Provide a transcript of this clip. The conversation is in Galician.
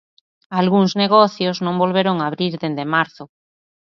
Algúns negocios non volveron abrir dende marzo.